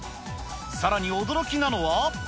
さらに驚きなのは。